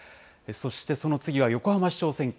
そしてその次は、横浜市長選挙。